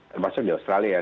termasuk di australia